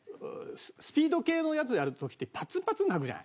スピード系のやつやる時ってパツンパツンになるじゃない。